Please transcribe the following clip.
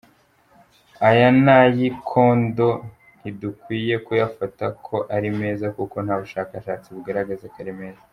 Aya Nayikondo ntidukwiye kuyafata ko ari meza kuko nta bushakashatsi bugaragaza ko ari meza.